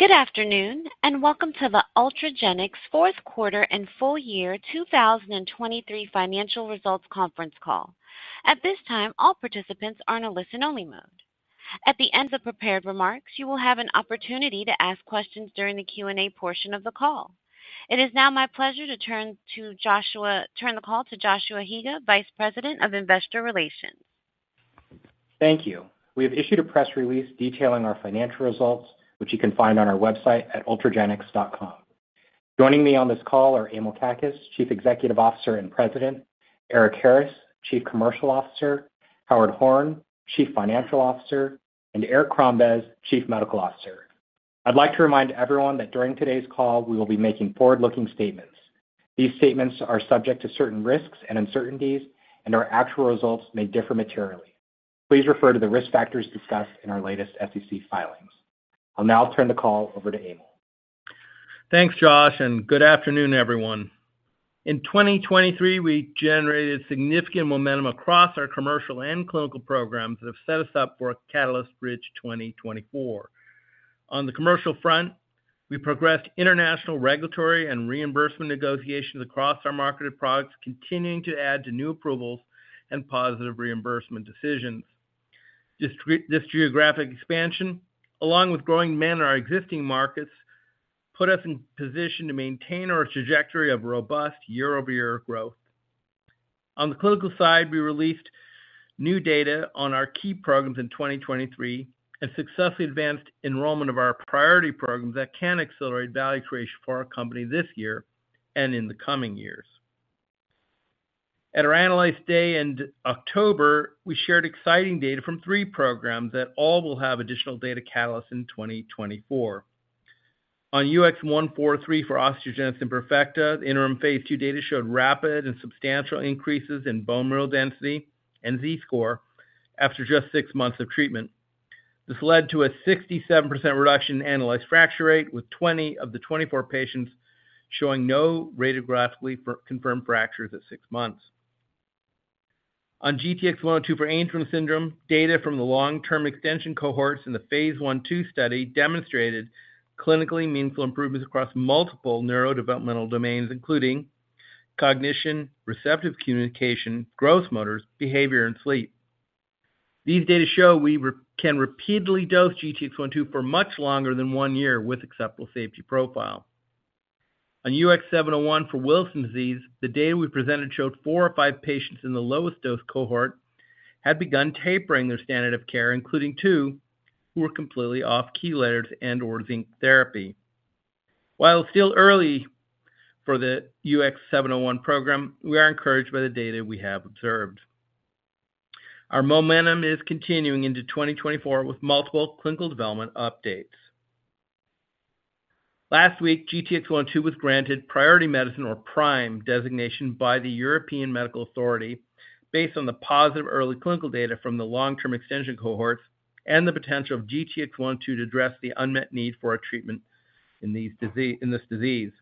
Good afternoon, and welcome to the Ultragenyx Q4 and Full Year 2023 Financial Results conference call. At this time, all participants are in a listen-only mode. At the end of the prepared remarks, you will have an opportunity to ask questions during the Q&A portion of the call. It is now my pleasure to turn the call to Joshua Higa, Vice President of Investor Relations. Thank you. We have issued a press release detailing our financial results, which you can find on our website at ultragenyx.com. Joining me on this call are Emil Kakkis, Chief Executive Officer and President; Eric Harris, Chief Commercial Officer; Howard Horn, Chief Financial Officer; and Eric Crombez, Chief Medical Officer. I'd like to remind everyone that during today's call, we will be making forward-looking statements. These statements are subject to certain risks and uncertainties, and our actual results may differ materially. Please refer to the risk factors discussed in our latest SEC filings. I'll now turn the call over to Emil. Thanks, Josh, and good afternoon, everyone. In 2023, we generated significant momentum across our commercial and clinical programs that have set us up for a catalyst-rich 2024. On the commercial front, we progressed international regulatory and reimbursement negotiations across our marketed products, continuing to add to new approvals and positive reimbursement decisions. This geographic expansion, along with growing demand in our existing markets, put us in position to maintain our trajectory of robust year-over-year growth. On the clinical side, we released new data on our key programs in 2023 and successfully advanced enrollment of our priority programs that can accelerate value creation for our company this year and in the coming years. At our Analyst Day in October, we shared exciting data from three programs that all will have additional data catalysts in 2024. On UX143 for osteogenesis imperfecta, the interim Phase II data showed rapid and substantial increases in bone mineral density and Z-score after just six months of treatment. This led to a 67% reduction in annualized fracture rate, with 20 of the 24 patients showing no radiographically confirmed fractures at six months. On GTX-102 for Angelman syndrome, data from the long-term extension cohorts in the Phase I/II study demonstrated clinically meaningful improvements across multiple neurodevelopmental domains, including cognition, receptive communication, gross motor, behavior, and sleep. These data show we can repeatedly dose GTX-102 for much longer than one year with acceptable safety profile. On UX701 for Wilson disease, the data we presented showed four of five patients in the lowest dose cohort had begun tapering their standard of care, including two who were completely off chelators and/or zinc therapy. While it's still early for the UX701 program, we are encouraged by the data we have observed. Our momentum is continuing into 2024 with multiple clinical development updates. Last week, GTX-102 was granted Priority Medicine, or PRIME, designation by the European Medicines Agency based on the positive early clinical data from the long-term extension cohorts and the potential of GTX-102 to address the unmet need for a treatment in this disease.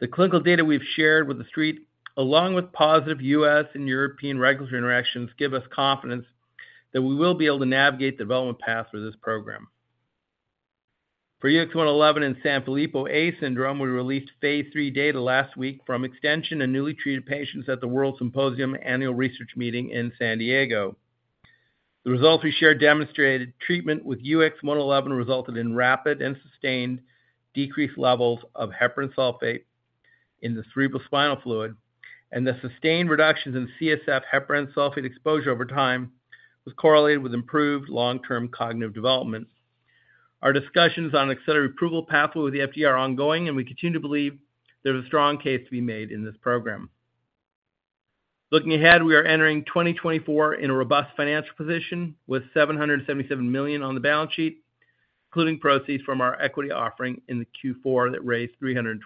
The clinical data we've shared with the Street, along with positive U.S. and European regulatory interactions, give us confidence that we will be able to navigate the development path for this program. For UX111 in Sanfilippo A syndrome, we released phase III data last week from extension and newly treated patients at the WORLDSymposium Annual Research Meeting in San Diego. The results we shared demonstrated treatment with UX111 resulted in rapid and sustained decreased levels of heparan sulfate in the cerebrospinal fluid, and the sustained reductions in CSF heparan sulfate exposure over time was correlated with improved long-term cognitive development. Our discussions on accelerated approval pathway with the FDA are ongoing, and we continue to believe there's a strong case to be made in this program. Looking ahead, we are entering 2024 in a robust financial position with $777 million on the balance sheet, including proceeds from our equity offering in Q4 that raised $326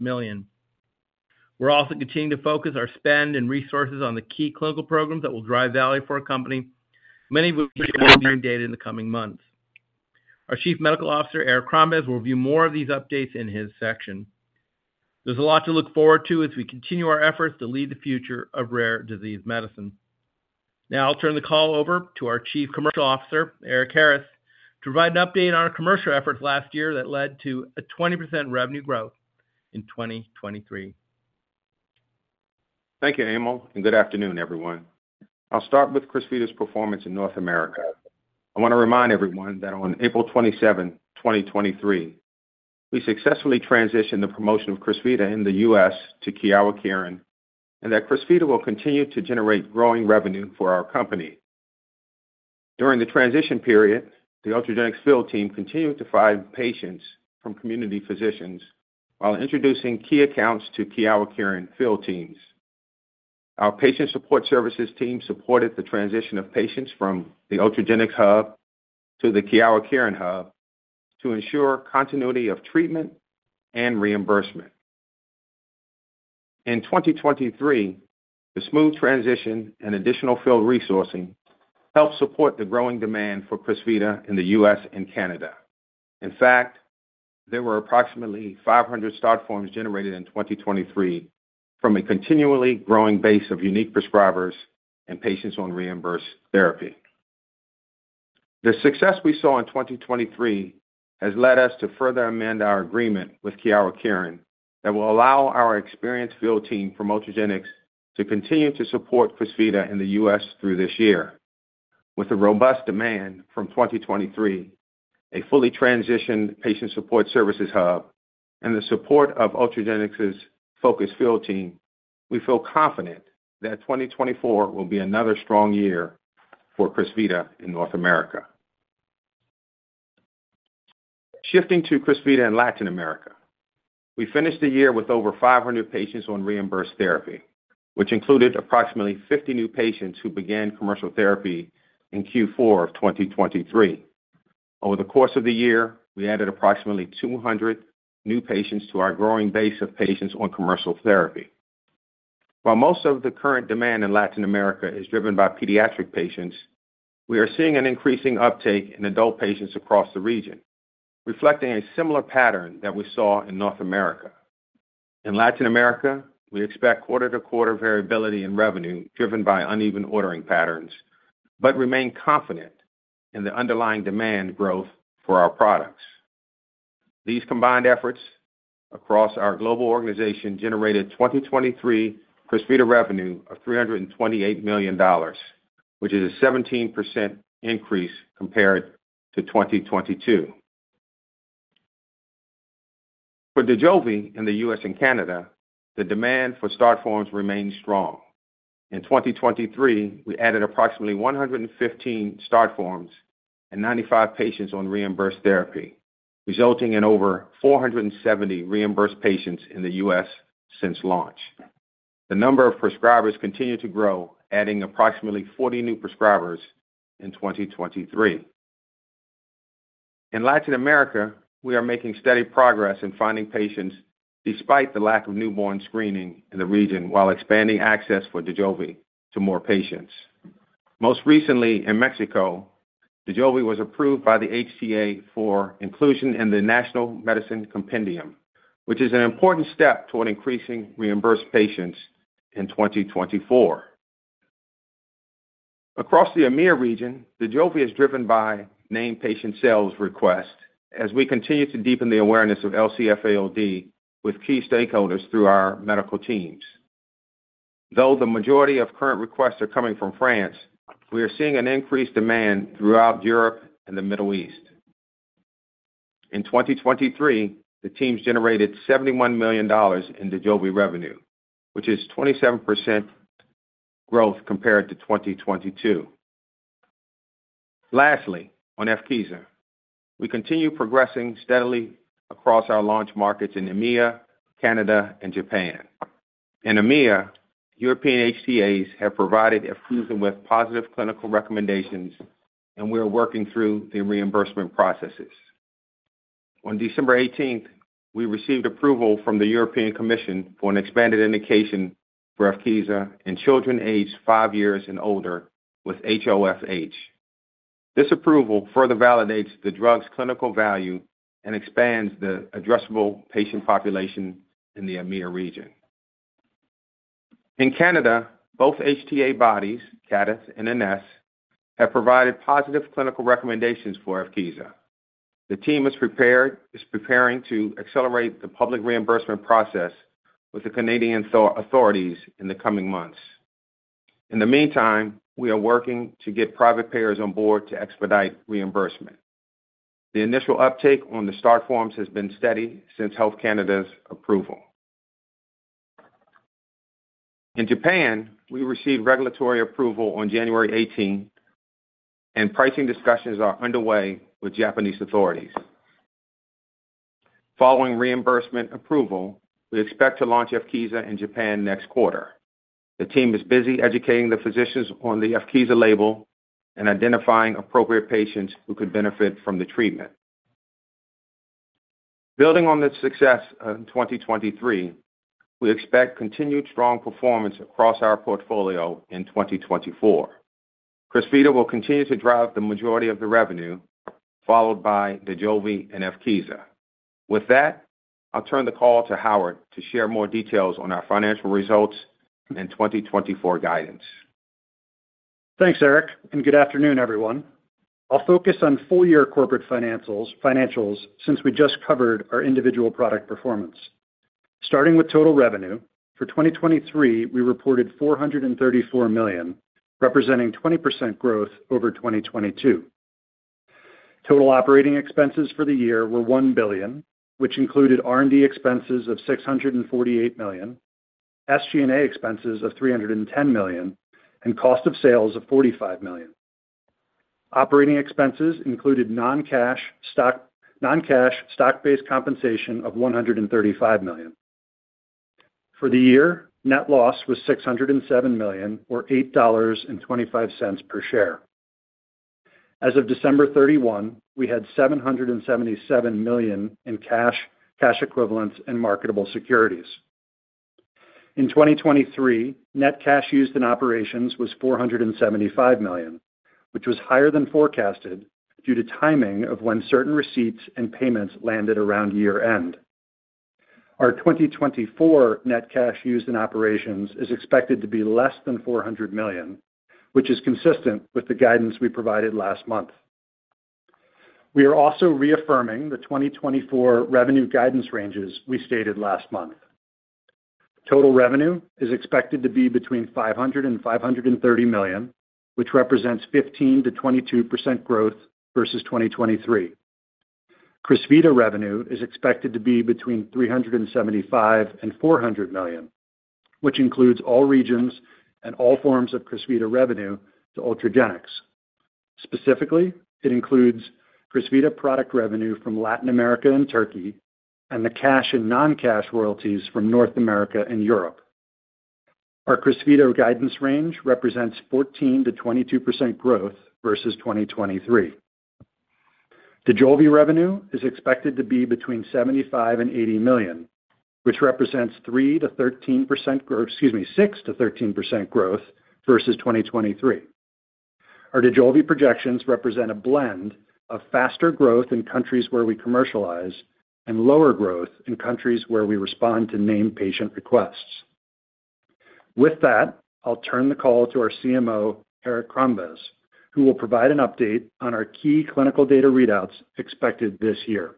million. We're also continuing to focus our spend and resources on the key clinical programs that will drive value for our company, many of which will be sharing data in the coming months. Our Chief Medical Officer, Eric Crombez, will review more of these updates in his section. There's a lot to look forward to as we continue our efforts to lead the future of rare disease medicine. Now I'll turn the call over to our Chief Commercial Officer, Erik Harris, to provide an update on our commercial efforts last year that led to a 20% revenue growth in 2023. Thank you, Emil, and good afternoon, everyone. I'll start with Crysvita's performance in North America. I want to remind everyone that on April 27, 2023, we successfully transitioned the promotion of Crysvita in the U.S. to Kyowa Kirin, and that Crysvita will continue to generate growing revenue for our company. During the transition period, the Ultragenyx field team continued to find patients from community physicians while introducing key accounts to Kyowa Kirin field teams. Our patient support services team supported the transition of patients from the Ultragenyx hub to the Kyowa Kirin hub to ensure continuity of treatment and reimbursement. In 2023, the smooth transition and additional field resourcing helped support the growing demand for Crysvita in the U.S. and Canada. In fact, there were approximately 500 start forms generated in 2023 from a continually growing base of unique prescribers and patients on reimbursed therapy. The success we saw in 2023 has led us to further amend our agreement with Kyowa Kirin, that will allow our experienced field team from Ultragenyx to continue to support Crysvita in the U.S. through this year. With a robust demand from 2023, a fully transitioned patient support services hub, and the support of Ultragenyx's focused field team, we feel confident that 2024 will be another strong year for Crysvita in North America. Shifting to Crysvita in Latin America, we finished the year with over 500 patients on reimbursed therapy, which included approximately 50 new patients who began commercial therapy in Q4 of 2023. Over the course of the year, we added approximately 200 new patients to our growing base of patients on commercial therapy. While most of the current demand in Latin America is driven by pediatric patients, we are seeing an increasing uptake in adult patients across the region, reflecting a similar pattern that we saw in North America. In Latin America, we expect quarter-to-quarter variability in revenue, driven by uneven ordering patterns, but remain confident in the underlying demand growth for our products. These combined efforts across our global organization generated 2023 Crysvita revenue of $328 million, which is a 17% increase compared to 2022. For Dojolvi in the U.S. and Canada, the demand for start forms remains strong. In 2023, we added approximately 115 start forms and 95 patients on reimbursed therapy, resulting in over 470 reimbursed patients in the U.S. since launch. The number of prescribers continued to grow, adding approximately 40 new prescribers in 2023. In Latin America, we are making steady progress in finding patients despite the lack of newborn screening in the region, while expanding access for Dojolvi to more patients. Most recently, in Mexico, Dojolvi was approved by the HTA for inclusion in the National Medicine Compendium, which is an important step toward increasing reimbursed patients in 2024. Across the EMEIA region, Dojolvi is driven by named patient sales requests as we continue to deepen the awareness of LCFAOD with key stakeholders through our medical teams. Though the majority of current requests are coming from France, we are seeing an increased demand throughout Europe and the Middle East. In 2023, the teams generated $71 million in Dojolvi revenue, which is 27% growth compared to 2022. Lastly, on Evkeeza, we continue progressing steadily across our launch markets in EMEIA, Canada, and Japan. In EMEIA, European HTAs have provided Evkeeza with positive clinical recommendations, and we are working through the reimbursement processes. On December 18th, we received approval from the European Commission for an expanded indication for Evkeeza in children aged five years and older with HoFH. This approval further validates the drug's clinical value and expands the addressable patient population in the EMEIA region. In Canada, both HTA bodies, CADTH and INESSS, have provided positive clinical recommendations for Evkeeza. The team is preparing to accelerate the public reimbursement process with the Canadian authorities in the coming months. In the meantime, we are working to get private payers on board to expedite reimbursement. The initial uptake on the start forms has been steady since Health Canada's approval. In Japan, we received regulatory approval on January 18, and pricing discussions are underway with Japanese authorities. Following reimbursement approval, we expect to launch Evkeeza in Japan next quarter. The team is busy educating the physicians on the Evkeeza label and identifying appropriate patients who could benefit from the treatment. Building on the success of 2023, we expect continued strong performance across our portfolio in 2024. Crysvita will continue to drive the majority of the revenue, followed by Dojolvi and Evkeeza. With that, I'll turn the call to Howard to share more details on our financial results and 2024 guidance. Thanks, Eric, and good afternoon, everyone. I'll focus on full-year corporate financials since we just covered our individual product performance. Starting with total revenue, for 2023, we reported $434 million, representing 20% growth over 2022. Total operating expenses for the year were $1 billion, which included R&D expenses of $648 million, SG&A expenses of $310 million, and cost of sales of $45 million. Operating expenses included non-cash stock-based compensation of $135 million. For the year, net loss was $607 million, or $8.25 per share. As of December 31, we had $777 million in cash, cash equivalents, and marketable securities. In 2023, net cash used in operations was $475 million.... which was higher than forecasted due to timing of when certain receipts and payments landed around year-end. Our 2024 net cash used in operations is expected to be less than $400 million, which is consistent with the guidance we provided last month. We are also reaffirming the 2024 revenue guidance ranges we stated last month. Total revenue is expected to be between $500 million-$530 million, which represents 15%-22% growth versus 2023. Crysvita revenue is expected to be between $375 million-$400 million, which includes all regions and all forms of Crysvita revenue to Ultragenyx. Specifically, it includes Crysvita product revenue from Latin America and Turkey, and the cash and non-cash royalties from North America and Europe. Our Crysvita guidance range represents 14%-22% growth versus 2023. Dojolvi revenue is expected to be between $75 million and $80 million, which represents 3%-13% growth—excuse me, 6%-13% growth versus 2023. Our Dojolvi projections represent a blend of faster growth in countries where we commercialize, and lower growth in countries where we respond to named patient requests. With that, I'll turn the call to our CMO, Eric Crombez, who will provide an update on our key clinical data readouts expected this year.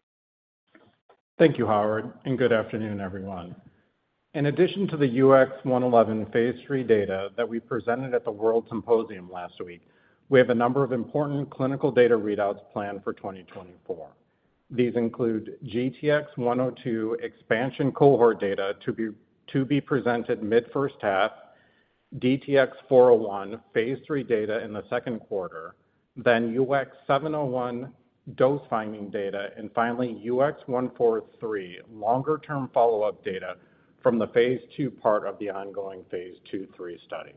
Thank you, Howard, and good afternoon, everyone. In addition to the UX111 phase III data that we presented at the WORLDSymposium last week, we have a number of important clinical data readouts planned for 2024. These include GTX-102 expansion cohort data to be presented mid-first half, DTX-401 phase III data in the Q2, then UX701 dose-finding data, and finally, UX143 longer-term follow-up data from the phase II part of the ongoing phase II/III study.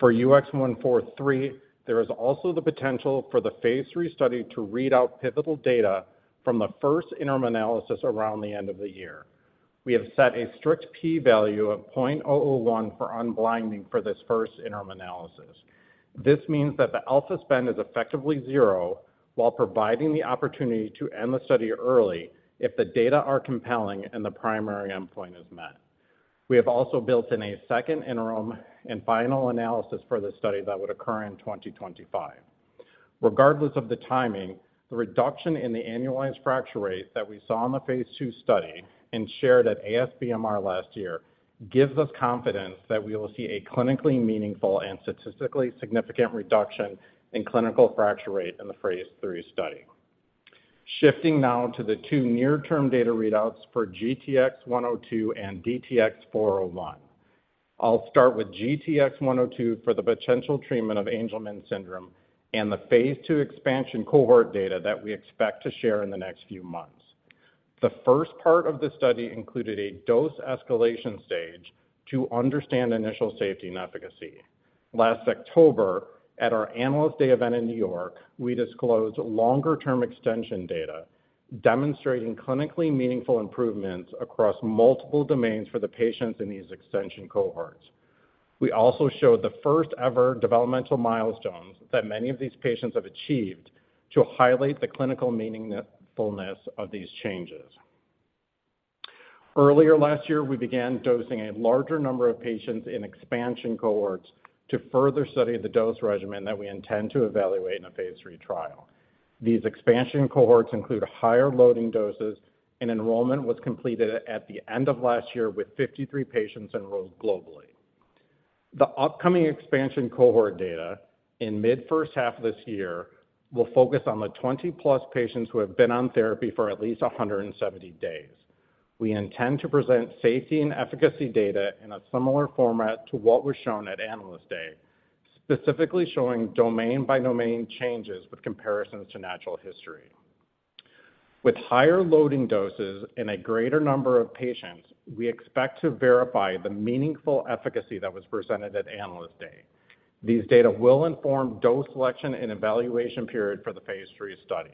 For UX143, there is also the potential for the phase III study to read out pivotal data from the first interim analysis around the end of the year. We have set a strict p-value of 0.001 for unblinding for this first interim analysis. This means that the alpha spend is effectively zero while providing the opportunity to end the study early if the data are compelling and the primary endpoint is met. We have also built in a second interim and final analysis for this study that would occur in 2025. Regardless of the timing, the reduction in the annualized fracture rate that we saw in the phase II study and shared at ASBMR last year, gives us confidence that we will see a clinically meaningful and statistically significant reduction in clinical fracture rate in the phase III study. Shifting now to the two near-term data readouts for GTX-102 and DTX-401. I'll start with GTX-102 for the potential treatment of Angelman syndrome and the phase II expansion cohort data that we expect to share in the next few months. The first part of the study included a dose escalation stage to understand initial safety and efficacy. Last October, at our Analyst Day event in New York, we disclosed longer-term extension data demonstrating clinically meaningful improvements across multiple domains for the patients in these extension cohorts. We also showed the first-ever developmental milestones that many of these patients have achieved to highlight the clinical meaningfulness of these changes. Earlier last year, we began dosing a larger number of patients in expansion cohorts to further study the dose regimen that we intend to evaluate in a Phase III trial. These expansion cohorts include higher loading doses, and enrollment was completed at the end of last year, with 53 patients enrolled globally. The upcoming expansion cohort data in mid-first half of this year will focus on the 20+ patients who have been on therapy for at least 170 days. We intend to present safety and efficacy data in a similar format to what was shown at Analyst Day, specifically showing domain-by-domain changes with comparisons to natural history. With higher loading doses and a greater number of patients, we expect to verify the meaningful efficacy that was presented at Analyst Day. These data will inform dose selection and evaluation period for the phase III study.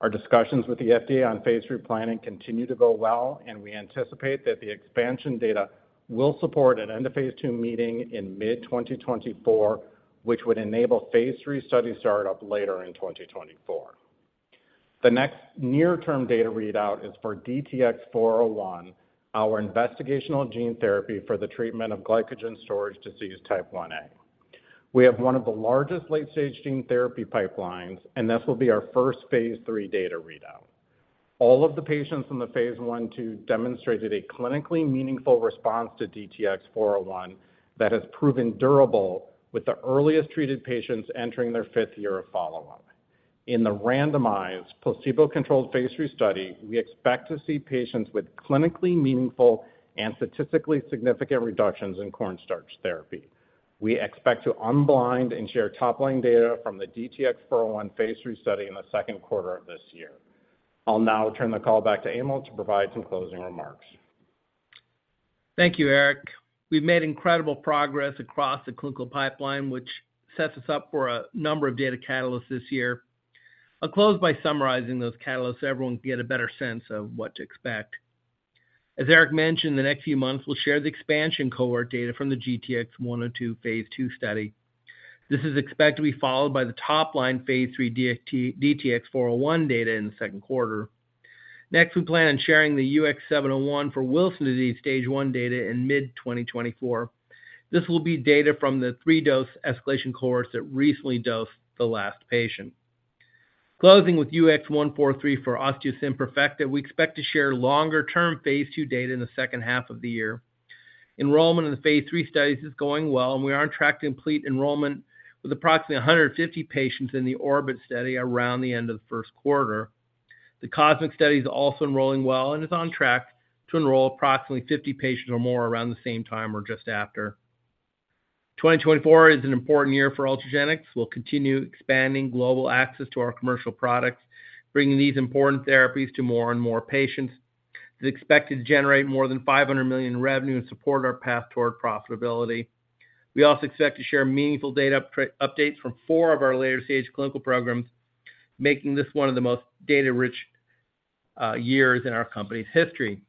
Our discussions with the FDA on phase III planning continue to go well, and we anticipate that the expansion data will support an end-of-phase II meeting in mid-2024, which would enable phase III study start up later in 2024. The next near-term data readout is for DTX-401, our investigational gene therapy for the treatment of glycogen storage disease type 1A. We have one of the largest late-stage gene therapy pipelines, and this will be our first phase III data readout. All of the patients in the phase I/II demonstrated a clinically meaningful response to DTX-401 that has proven durable, with the earliest treated patients entering their fifth year of follow-up. In the randomized, placebo-controlled phase III study, we expect to see patients with clinically meaningful and statistically significant reductions in cornstarch therapy. We expect to unblind and share top-line data from the DTX-401 phase III study in the Q2 of this year. I'll now turn the call back to Emil to provide some closing remarks. Thank you, Eric. We've made incredible progress across the clinical pipeline, which sets us up for a number of data catalysts this year. I'll close by summarizing those catalysts so everyone can get a better sense of what to expect. As Eric mentioned, the next few months, we'll share the expansion cohort data from the GTX-102 phase II study. This is expected to be followed by the top line phase III DTX-401 data in the Q2. Next, we plan on sharing the UX701 for Wilson disease stage one data in mid-2024. This will be data from the three-dose escalation course that recently dosed the last patient. Closing with UX143 for osteogenesis imperfecta, we expect to share longer-term phase II data in the second half of the year. Enrollment in the phase III studies is going well, and we are on track to complete enrollment with approximately 150 patients in the ORBIT study around the end of the Q1. The COSMIC study is also enrolling well and is on track to enroll approximately 50 patients or more around the same time or just after. 2024 is an important year for Ultragenyx. We'll continue expanding global access to our commercial products, bringing these important therapies to more and more patients. It's expected to generate more than $500 million in revenue and support our path toward profitability. We also expect to share meaningful data updates from four of our later-stage clinical programs, making this one of the most data-rich years in our company's history.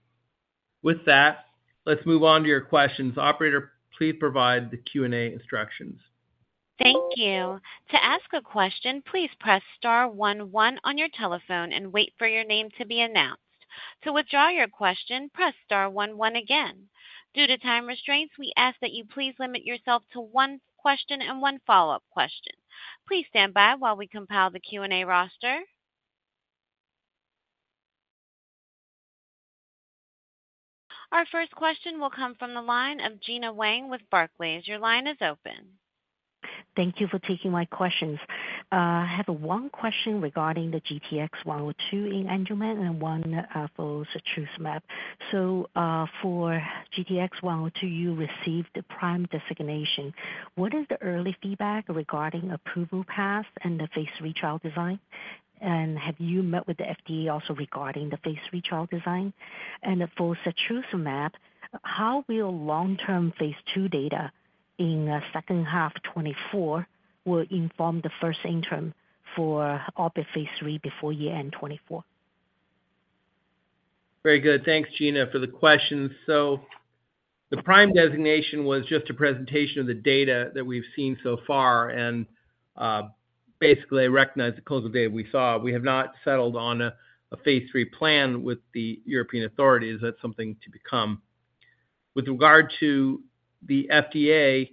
With that, let's move on to your questions. Operator, please provide the Q&A instructions. Thank you. To ask a question, please press star one, one on your telephone and wait for your name to be announced. To withdraw your question, press star one, one again. Due to time restraints, we ask that you please limit yourself to one question and one follow-up question. Please stand by while we compile the Q&A roster. Our first question will come from the line of Gena Wang with Barclays. Your line is open. Thank you for taking my questions. I have one question regarding the GTX-102 in Angelman and one for setrusumab. So, for GTX-102, you received the PRIME designation. What is the early feedback regarding approval path and the phase III trial design? And have you met with the FDA also regarding the phase III trial design? And for setrusumab, how will long-term phase II data in the second half 2024 inform the first interim for ORBIT phase III before year-end 2024? Very good. Thanks, Gena, for the questions. So the PRIME designation was just a presentation of the data that we've seen so far, and basically, I recognize the close of data we saw. We have not settled on a phase III plan with the European authorities. That's something to become. With regard to the FDA,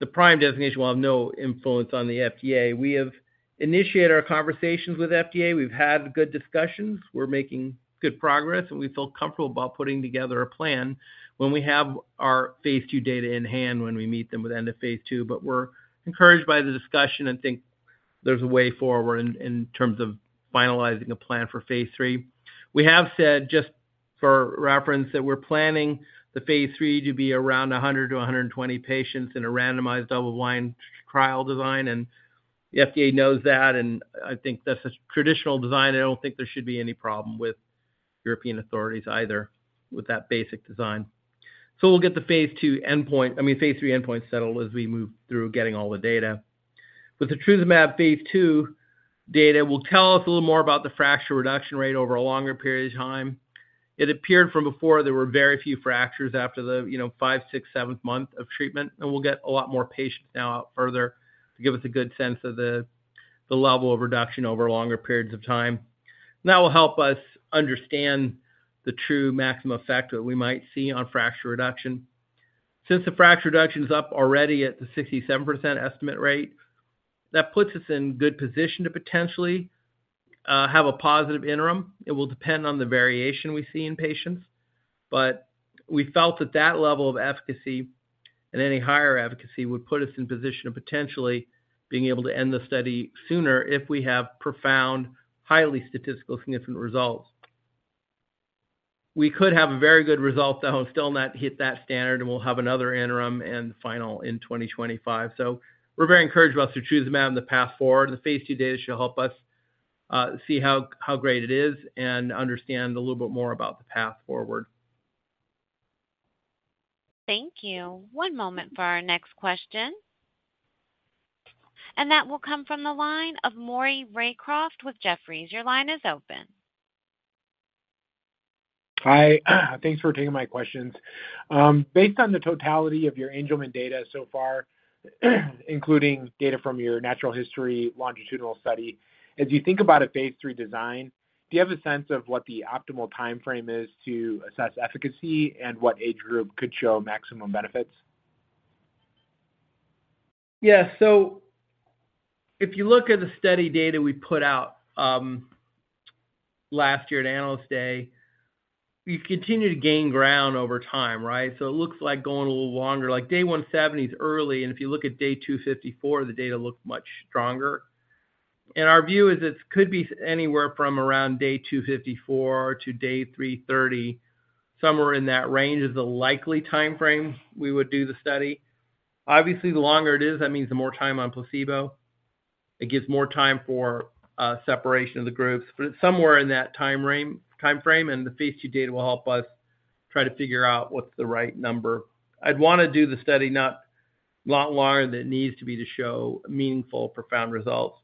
the PRIME designation will have no influence on the FDA. We have initiated our conversations with FDA. We've had good discussions. We're making good progress, and we feel comfortable about putting together a plan when we have our phase II data in hand, when we meet them with end of phase II. But we're encouraged by the discussion and think there's a way forward in terms of finalizing a plan for phase III. We have said, just for reference, that we're planning the phase III to be around 100-120 patients in a randomized, double-blind trial design, and the FDA knows that, and I think that's a traditional design. I don't think there should be any problem with European authorities either, with that basic design. So we'll get the phase II endpoint... I mean, phase III endpoint settled as we move through getting all the data. With the setrusumab phase II data will tell us a little more about the fracture reduction rate over a longer period of time. It appeared from before there were very few fractures after the, you know, five, six, seventth month of treatment, and we'll get a lot more patients now out further to give us a good sense of the, the level of reduction over longer periods of time. That will help us understand the true maximum effect that we might see on fracture reduction. Since the fracture reduction is up already at the 67% estimate rate, that puts us in good position to potentially have a positive interim. It will depend on the variation we see in patients, but we felt that that level of efficacy and any higher efficacy would put us in position of potentially being able to end the study sooner if we have profound, highly statistical significant results. We could have a very good result, though, and still not hit that standard, and we'll have another interim and final in 2025. So we're very encouraged about setrusumab and the path forward. The phase II data should help us see how great it is and understand a little bit more about the path forward. Thank you. One moment for our next question. That will come from the line of Maury Raycroft with Jefferies. Your line is open. Hi, thanks for taking my questions. Based on the totality of your Angelman data so far, including data from your natural history longitudinal study, as you think about a phase II design, do you have a sense of what the optimal timeframe is to assess efficacy and what age group could show maximum benefits? Yeah. So if you look at the study data we put out last year at Analyst Day, we've continued to gain ground over time, right? So it looks like going a little longer, like day 170 is early, and if you look at day 254, the data looks much stronger. And our view is this could be anywhere from around day 254 to day 330. Somewhere in that range is the likely timeframe we would do the study. Obviously, the longer it is, that means the more time on placebo. It gives more time for separation of the groups, but it's somewhere in that time frame, time frame, and the phase II data will help us try to figure out what's the right number. I'd want to do the study not a lot longer than it needs to be to show meaningful, profound results.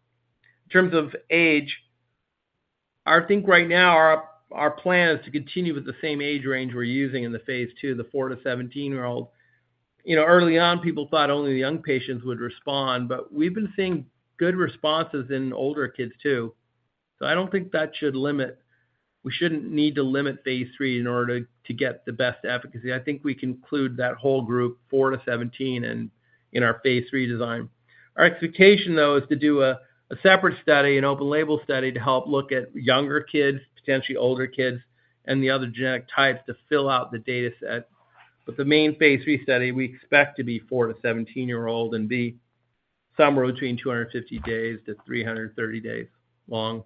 In terms of age, I think right now our plan is to continue with the same age range we're using in the phase II, the four to 17-year-old. You know, early on, people thought only the young patients would respond, but we've been seeing good responses in older kids, too. So I don't think that should limit. We shouldn't need to limit phase III in order to get the best efficacy. I think we can include that whole group, four to 17, and in our phase III design. Our expectation, though, is to do a separate study, an open label study, to help look at younger kids, potentially older kids, and the other genetic types to fill out the data set. The main phase III study, we expect to be four to 17-year-old and be somewhere between 250-330 days long.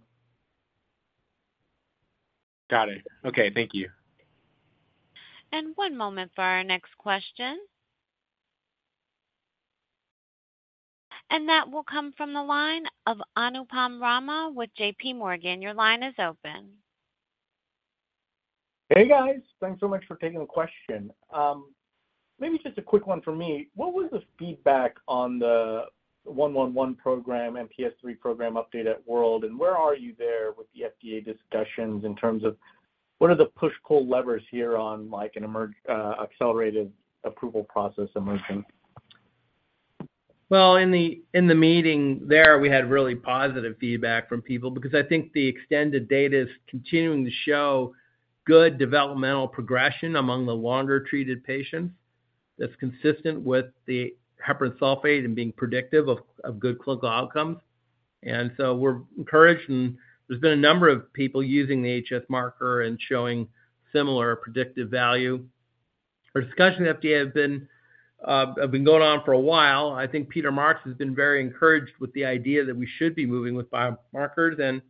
Got it. Okay, thank you. One moment for our next question. That will come from the line of Anupam Rama with JPMorgan. Your line is open. Hey, guys, thanks so much for taking the question. Maybe just a quick one for me. What was the feedback on the UX111 program, MPS III program update at WORLDSymposium, and where are you there with the FDA discussions in terms of what are the push-pull levers here on, like, an emerging accelerated approval process emerging? Well, in the meeting there, we had really positive feedback from people because I think the extended data is continuing to show good developmental progression among the longer-treated patients. That's consistent with the heparan sulfate and being predictive of good clinical outcomes. And so we're encouraged, and there's been a number of people using the HS marker and showing similar predictive value. Our discussion with FDA has been have been going on for a while. I think Peter Marks has been very encouraged with the idea that we should be moving with biomarkers, and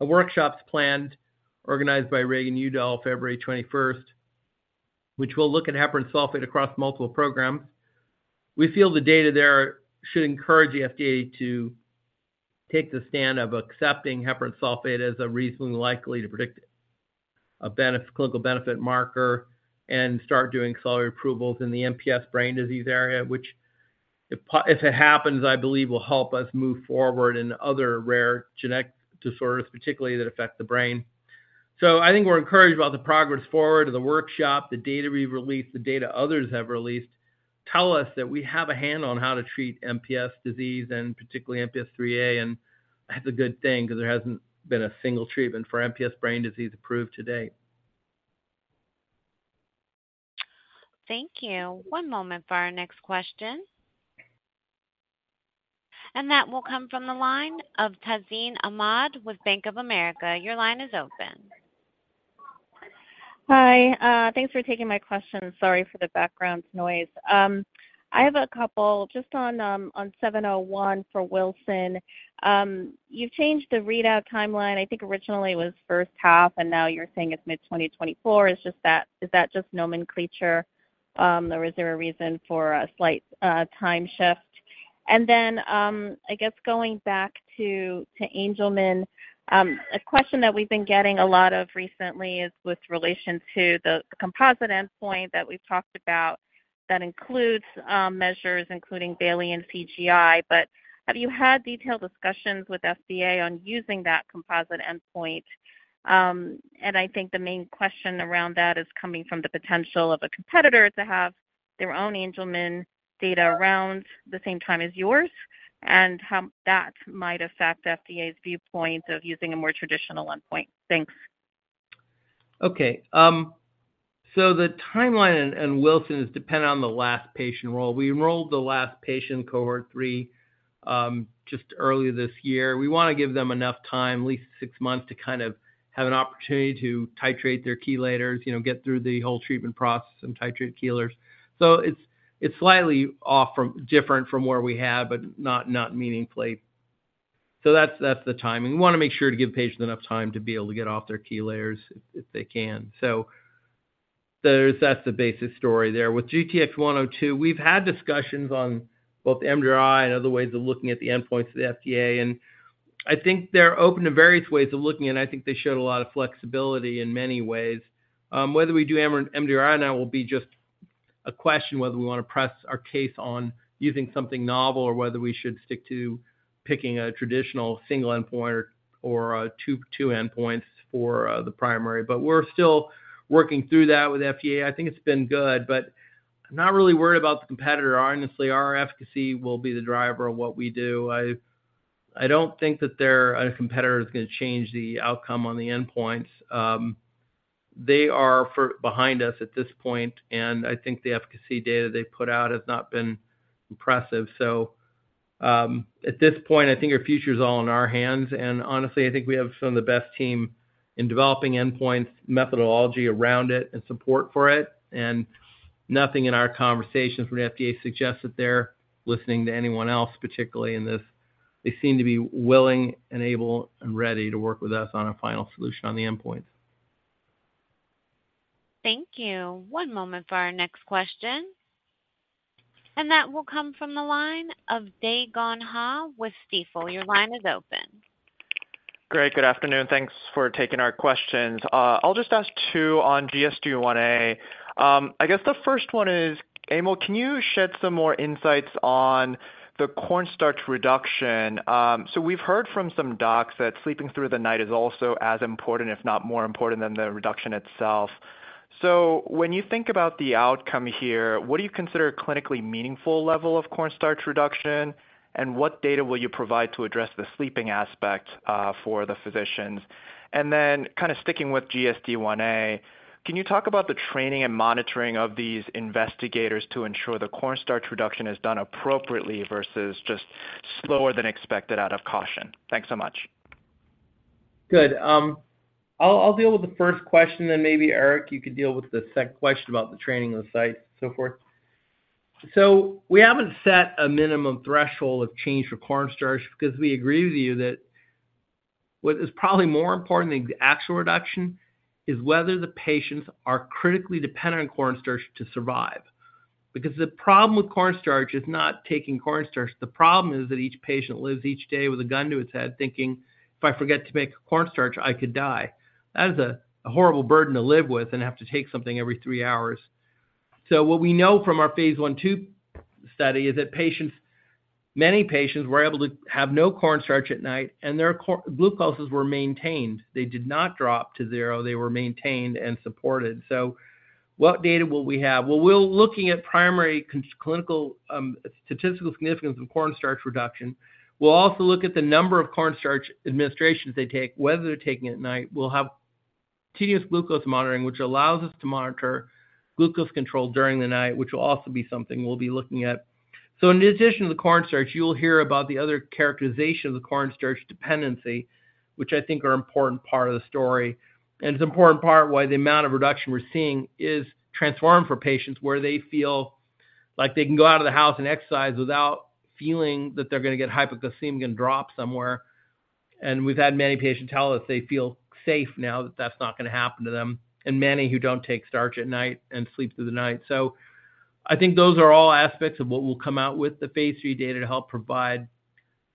a workshop's planned, organized by Reagan-Udall, February twenty-first, which will look at heparan sulfate across multiple programs. We feel the data there should encourage the FDA to take the stand of accepting heparan sulfate as a reasonably likely to predict a benefit, clinical benefit marker and start doing accelerated approvals in the MPS brain disease area, which, if it happens, I believe will help us move forward in other rare genetic disorders, particularly that affect the brain. So I think we're encouraged about the progress forward of the workshop. The data we've released, the data others have released, tell us that we have a handle on how to treat MPS disease and particularly MPS IIIA, and that's a good thing because there hasn't been a single treatment for MPS brain disease approved to date. Thank you. One moment for our next question. That will come from the line of Tazeen Ahmad with Bank of America. Your line is open. Hi, thanks for taking my question. Sorry for the background noise. I have a couple just on, on 701 for Wilson. You've changed the readout timeline. I think originally it was first half, and now you're saying it's mid-2024. Is just that, is that just nomenclature, or is there a reason for a slight, time shift? And then, I guess going back to, to Angelman, a question that we've been getting a lot of recently is with relation to the composite endpoint that we've talked about that includes, measures, including Bayley and CGI. But have you had detailed discussions with FDA on using that composite endpoint? I think the main question around that is coming from the potential of a competitor to have their own Angelman data around the same time as yours and how that might affect the FDA's viewpoint of using a more traditional endpoint. Thanks. Okay, so the timeline in Wilson is dependent on the last patient enrolled. We enrolled the last patient, cohort three, just earlier this year. We want to give them enough time, at least six months, to kind of have an opportunity to titrate their chelators, you know, get through the whole treatment process and titrate chelators. So it's slightly off from, different from where we have, but not meaningfully. So that's the timing. We want to make sure to give patients enough time to be able to get off their chelators if they can. So that's the basic story there. With GTX-102, we've had discussions on both MDRI and other ways of looking at the endpoints of the FDA, and I think they're open to various ways of looking, and I think they showed a lot of flexibility in many ways. Whether we do MR, MDRI now will be just a question whether we want to press our case on using something novel or whether we should stick to picking a traditional single endpoint or two endpoints for the primary. But we're still working through that with FDA. I think it's been good, but I'm not really worried about the competitor. Honestly, our efficacy will be the driver of what we do. I, I don't think that their, a competitor is going to change the outcome on the endpoints. They are far behind us at this point, and I think the efficacy data they put out has not been impressive. So, at this point, I think our future is all in our hands, and honestly, I think we have some of the best team in developing endpoints, methodology around it and support for it. Nothing in our conversations with the FDA suggests that they're listening to anyone else, particularly in this. They seem to be willing and able and ready to work with us on a final solution on the endpoint. Thank you. One moment for our next question, and that will come from the line of Dae Gon Ha with Stifel. Your line is open. Great. Good afternoon. Thanks for taking our questions. I'll just ask two on GSD1a. I guess the first one is, Emil, can you shed some more insights on the cornstarch reduction? So we've heard from some docs that sleeping through the night is also as important, if not more important than the reduction itself. So when you think about the outcome here, what do you consider a clinically meaningful level of cornstarch reduction? And what data will you provide to address the sleeping aspect, for the physicians? And then kind of sticking with GSD1a, can you talk about the training and monitoring of these investigators to ensure the cornstarch reduction is done appropriately versus just slower than expected out of caution? Thanks so much. Good. I'll deal with the first question, then maybe, Eric, you could deal with the second question about the training of the site, so forth. So we haven't set a minimum threshold of change for cornstarch because we agree with you that what is probably more important than the actual reduction, is whether the patients are critically dependent on cornstarch to survive. Because the problem with cornstarch is not taking cornstarch, the problem is that each patient lives each day with a gun to his head, thinking, "If I forget to make cornstarch, I could die." That is a horrible burden to live with and have to take something every three hours. So what we know from our phase I/II study is that patients, many patients were able to have no cornstarch at night, and their glucoses were maintained. They did not drop to zero. They were maintained and supported. So what data will we have? Well, we're looking at primary endpoint, clinical and statistical significance of cornstarch reduction. We'll also look at the number of cornstarch administrations they take, whether they're taking it at night. We'll have continuous glucose monitoring, which allows us to monitor glucose control during the night, which will also be something we'll be looking at. So in addition to the cornstarch, you'll hear about the other characterization of the cornstarch dependency, which I think are important part of the story. And it's an important part why the amount of reduction we're seeing is transformative for patients where they feel like they can go out of the house and exercise without feeling that they're going to get hypoglycemia, and drop somewhere. And we've had many patients tell us they feel safe now that that's not going to happen to them, and many who don't take starch at night and sleep through the night. So I think those are all aspects of what will come out with the phase III data to help provide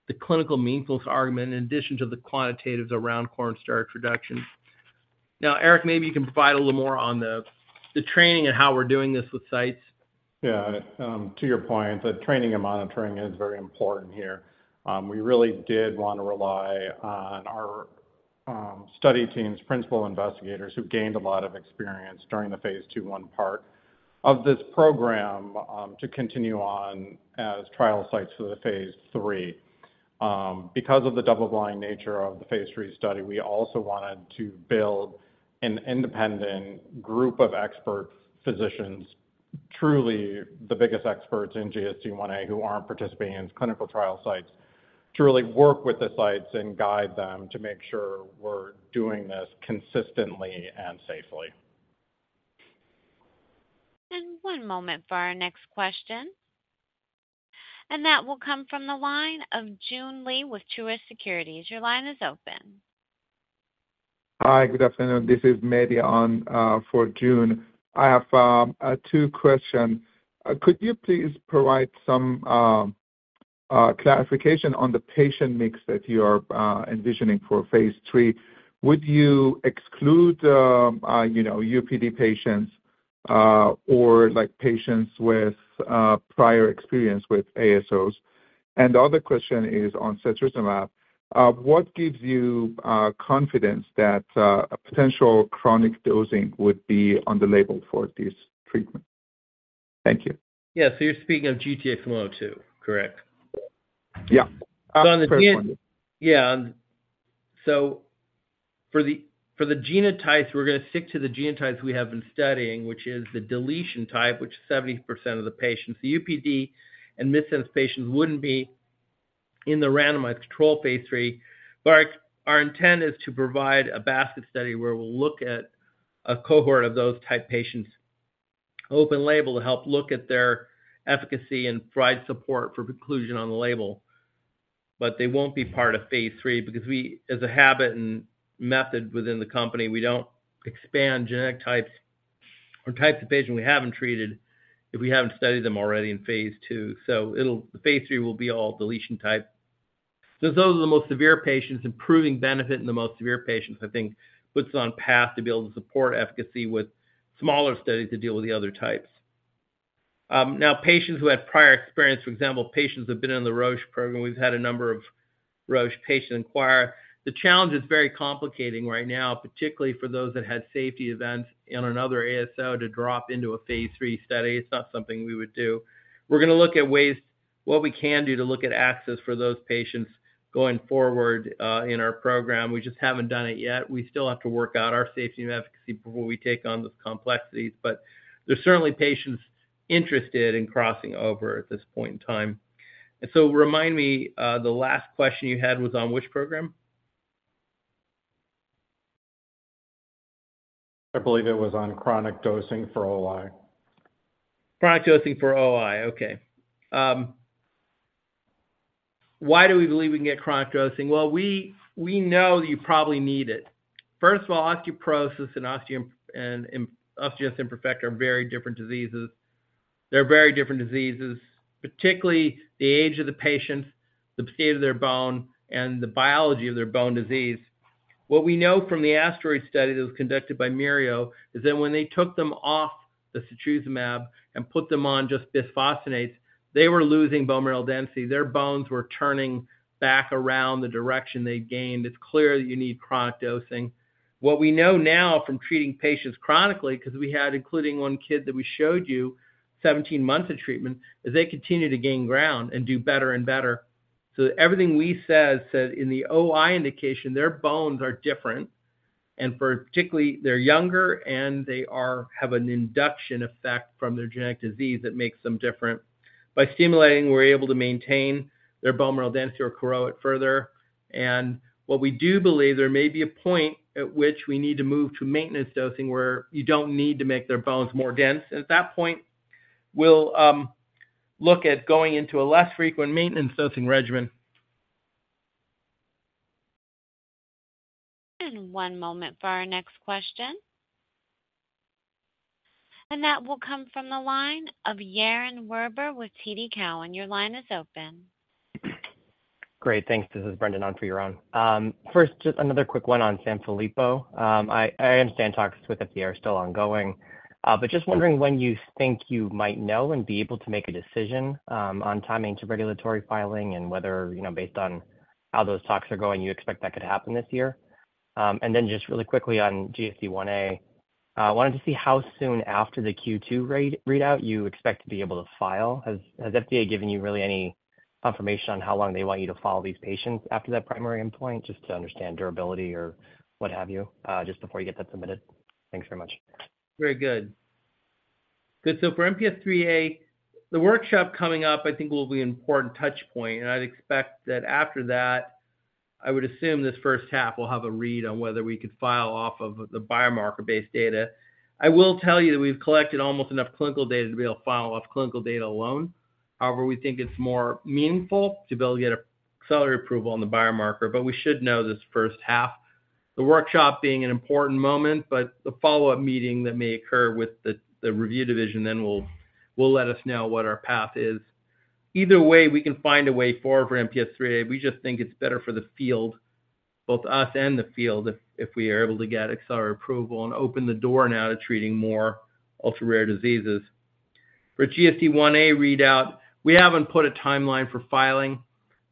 the clinical meaningfulness argument, in addition to the quantitatives around cornstarch reduction. Now, Eric, maybe you can provide a little more on the training and how we're doing this with sites. Yeah, to your point, the training and monitoring is very important here. We really did want to rely on our study teams, principal investigators, who gained a lot of experience during the phase I/II part of this program, to continue on as trial sites for the phase III. Because of the double-blind nature of the phase III study, we also wanted to build an independent group of expert physicians, truly the biggest experts in GSD1a, who aren't participating in clinical trial sites, to really work with the sites and guide them to make sure we're doing this consistently and safely. One moment for our next question. That will come from the line of Joon Lee with Truist Securities. Your line is open. Hi, good afternoon. This is Mehdi on for Joon. I have two questions. Could you please provide some clarification on the patient mix that you are envisioning for phase III? Would you exclude, you know, UPD patients, or like patients with prior experience with ASOs? And the other question is on setrusumab. What gives you confidence that a potential chronic dosing would be on the label for this treatment? Thank you. Yeah. So you're speaking of GTX-102, correct? Yeah. So for the genotypes, we're going to stick to the genotypes we have been studying, which is the deletion type, which is 70% of the patients. The UPD and missense patients wouldn't be in the randomized control phase III, but our intent is to provide a basket study where we'll look at a cohort of those type patients, open label, to help look at their efficacy and provide support for conclusion on the label. But they won't be part of phase III, because we, as a habit and method within the company, we don't expand genetic types or types of patients we haven't treated, if we haven't studied them already in phase II. So the phase III will be all deletion type. Since those are the most severe patients, improving benefit in the most severe patients, I think, puts us on path to be able to support efficacy with smaller studies to deal with the other types. Now, patients who had prior experience, for example, patients have been in the Roche program. We've had a number of Roche patients inquire. The challenge is very complicating right now, particularly for those that had safety events in another ASO, to drop into a phase III study. It's not something we would do. We're going to look at ways, what we can do to look at access for those patients going forward in our program. We just haven't done it yet. We still have to work out our safety and efficacy before we take on those complexities, but there's certainly patients interested in crossing over at this point in time. Remind me, the last question you had was on which program? I believe it was on chronic dosing for OI. Chronic dosing for OI. Okay. Why do we believe we can get chronic dosing? Well, we, we know that you probably need it. First of all, osteoporosis and osteogenesis imperfecta are very different diseases. They're very different diseases, particularly the age of the patients, the state of their bone, and the biology of their bone disease. What we know from the Orbit study that was conducted by Mereo is that when they took them off the setrusumab and put them on just bisphosphonates, they were losing bone mineral density. Their bones were turning back around the direction they gained. It's clear that you need chronic dosing. What we know now from treating patients chronically, 'cause we had, including one kid that we showed you 17 months of treatment, is they continue to gain ground and do better and better. So everything we said in the OI indication, their bones are different, and particularly, they're younger and they have an induction effect from their genetic disease that makes them different. By stimulating, we're able to maintain their bone mineral density or grow it further. And what we do believe, there may be a point at which we need to move to maintenance dosing, where you don't need to make their bones more dense. At that point, we'll look at going into a less frequent maintenance dosing regimen. One moment for our next question. That will come from the line of Yaron Werber with TD Cowen. Your line is open. Great, thanks. This is Brendan on for Yaron. First, just another quick one on Sanfilippo. I understand talks with the FDA are still ongoing, but just wondering when you think you might know and be able to make a decision on timing to regulatory filing and whether, you know, based on how those talks are going, you expect that could happen this year? And then just really quickly on GSD1a, I wanted to see how soon after the Q2 data readout you expect to be able to file. Has FDA given you really any confirmation on how long they want you to follow these patients after that primary endpoint, just to understand durability or what have you, just before you get that submitted? Thanks very much. Very good. Good, so for MPS IIIA, the workshop coming up, I think will be important touch point, and I'd expect that after that, I would assume this first half will have a read on whether we could file off of the biomarker-based data. I will tell you that we've collected almost enough clinical data to be able to file off clinical data alone. However, we think it's more meaningful to be able to get an accelerated approval on the biomarker, but we should know this first half, the workshop being an important moment, but the follow-up meeting that may occur with the review division then will let us know what our path is. Either way, we can find a way forward for MPS IIIA. We just think it's better for the field, both us and the field, if we are able to get accelerated approval and open the door now to treating more ultra-rare diseases. For GSD1a readout, we haven't put a timeline for filing.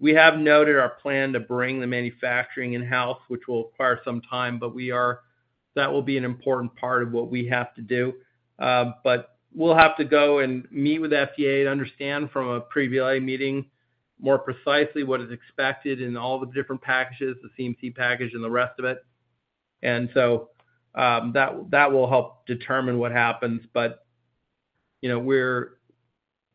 We have noted our plan to bring the manufacturing in-house, which will require some time, but we are, that will be an important part of what we have to do. But we'll have to go and meet with FDA to understand from a pre-BLA meeting more precisely what is expected in all the different packages, the CMC package and the rest of it. And so, that will help determine what happens. But, you know, we're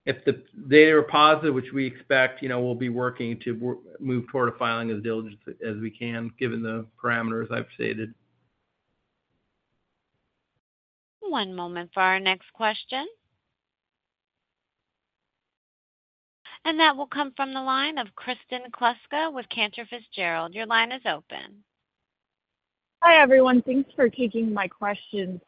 if the data are positive, which we expect, you know, we'll be working to move toward a filing as diligently as we can, given the parameters I've stated. One moment for our next question. That will come from the line of Kristin Kluska with Cantor Fitzgerald. Your line is open. Hi, everyone. Thanks for taking my questions.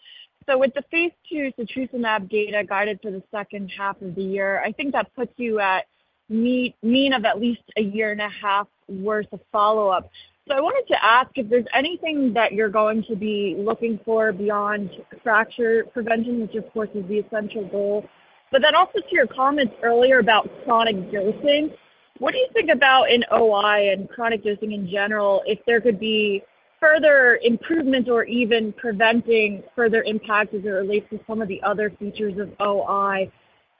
So with the phase II setrusumab data guided for the second half of the year, I think that puts you at mean of at least a year and a half worth of follow-up. So I wanted to ask if there's anything that you're going to be looking for beyond fracture prevention, which, of course, is the essential goal, but then also to your comments earlier about chronic dosing. What do you think about in OI and chronic dosing in general, if there could be further improvement or even preventing further impact as it relates to some of the other features of OI,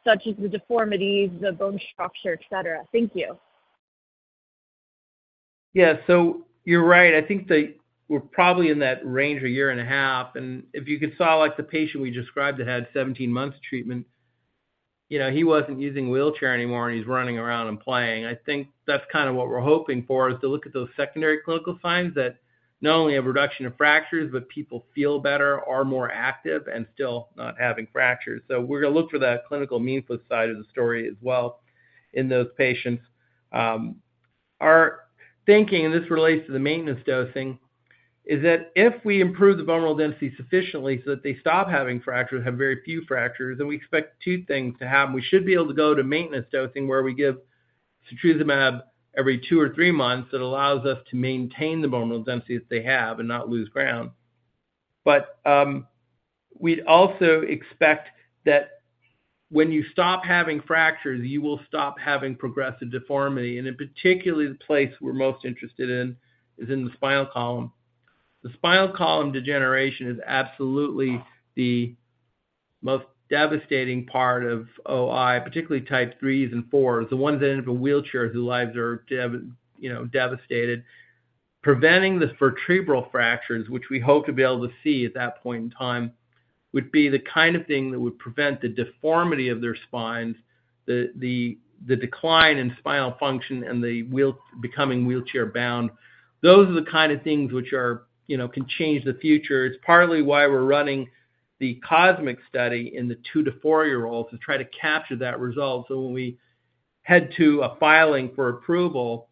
such as the deformities, the bone structure, et cetera? Thank you. Yeah. So you're right. I think that we're probably in that range of 1.5 years, and if you could see, like, the patient we described that had 17 months of treatment, you know, he wasn't using wheelchair anymore, and he's running around and playing. I think that's kind of what we're hoping for, is to look at those secondary clinical signs that not only a reduction of fractures, but people feel better, are more active and still not having fractures. So we're gonna look for that clinically meaningful side of the story as well in those patients. Our thinking, and this relates to the maintenance dosing, is that if we improve the bone mineral density sufficiently so that they stop having fractures, have very few fractures, then we expect two things to happen. We should be able to go to maintenance dosing, where we give setrusumab every two or three months. It allows us to maintain the bone mineral density that they have and not lose ground. But we'd also expect that when you stop having fractures, you will stop having progressive deformity, and in particularly the place we're most interested in is in the spinal column. The spinal column degeneration is absolutely the most devastating part of OI, particularly type 3s and 4s, the ones that end up in wheelchairs, whose lives are you know devastated. Preventing the vertebral fractures, which we hope to be able to see at that point in time, would be the kind of thing that would prevent the deformity of their spines, the decline in spinal function and the becoming wheelchair-bound. Those are the kind of things which are, you know, can change the future. It's partly why we're running the COSMIC study in the two to 4-year-olds to try to capture that result. So when we head to a filing for approval,...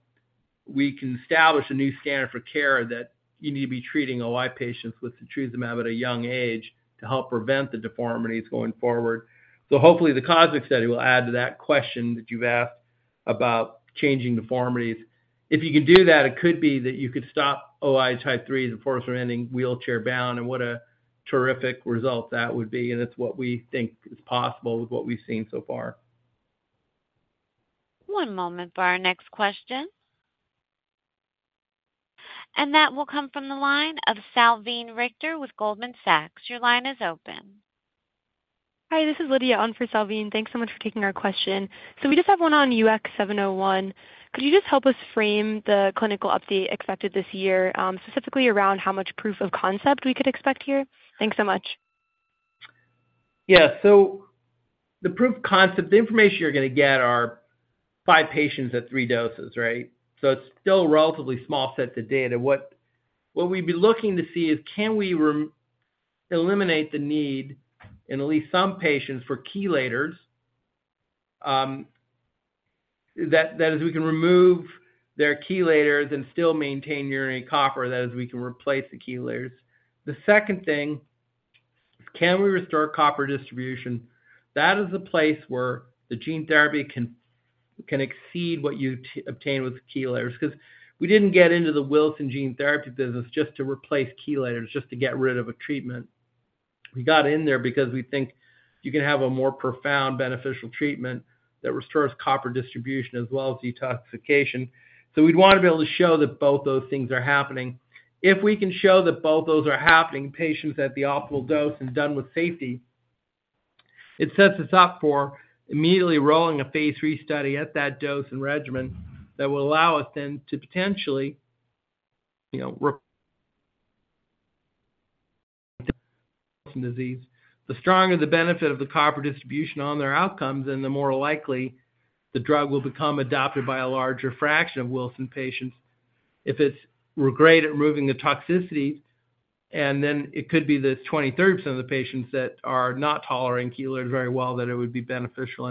we can establish a new standard for care that you need to be treating OI patients with setrusumab at a young age to help prevent the deformities going forward. So hopefully, the COSMIC study will add to that question that you've asked about changing deformities. If you could do that, it could be that you could stop OI type 3, unfortunately, ending wheelchair-bound, and what a terrific result that would be, and it's what we think is possible with what we've seen so far. One moment for our next question. That will come from the line of Salveen Richter with Goldman Sachs. Your line is open. Hi, this is Lidia on for Salveen. Thanks so much for taking our question. We just have one on UX701. Could you just help us frame the clinical update expected this year, specifically around how much proof of concept we could expect here? Thanks so much. Yeah. So the proof of concept, the information you're gonna get are five patients at three doses, right? So it's still a relatively small set of data. What we'd be looking to see is, can we eliminate the need in at least some patients for chelators, that is, we can remove their chelators and still maintain urinary copper, that is, we can replace the chelators. The second thing, can we restore copper distribution? That is the place where the gene therapy can exceed what you obtain with chelators. Because we didn't get into the Wilson gene therapy business just to replace chelators, just to get rid of a treatment. We got in there because we think you can have a more profound beneficial treatment that restores copper distribution as well as detoxification. So we'd want to be able to show that both those things are happening. If we can show that both those are happening, patients at the optimal dose and done with safety, it sets us up for immediately rolling a phase III study at that dose and regimen that will allow us then to potentially, you know, redose. The stronger the benefit of the copper distribution on their outcomes, then the more likely the drug will become adopted by a larger fraction of Wilson patients. If it's, we're great at removing the toxicity, and then it could be the 23% of the patients that are not tolerating chelators very well, that it would be beneficial.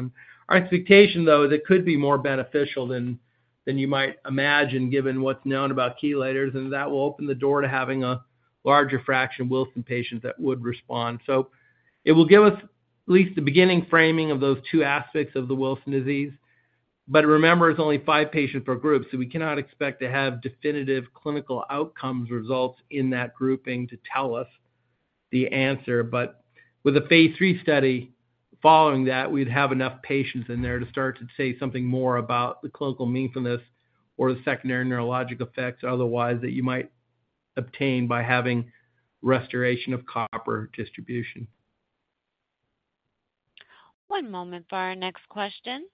Our expectation, though, is it could be more beneficial than you might imagine, given what's known about chelators, and that will open the door to having a larger fraction of Wilson patients that would respond. So it will give us at least the beginning framing of those two aspects of the Wilson disease. But remember, it's only five patients per group, so we cannot expect to have definitive clinical outcomes results in that grouping to tell us the answer. But with a phase I study following that, we'd have enough patients in there to start to say something more about the clinical meaningfulness or the secondary neurologic effects, otherwise, that you might obtain by having restoration of copper distribution. One moment for our next question.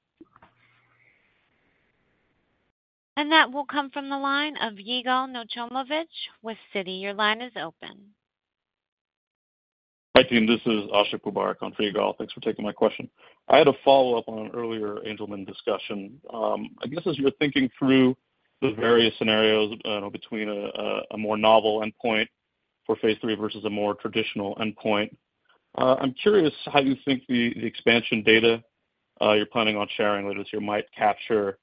That will come from the line of Yigal Nochomovitz with Citi. Your line is open. Hi, team, this is Ashu Kumar on for Yigal. Thanks for taking my question. I had a follow-up on an earlier Angelman discussion. I guess, as you're thinking through the various scenarios, between a more novel endpoint for phase III versus a more traditional endpoint, I'm curious how you think the expansion data you're planning on sharing with us here might capture, you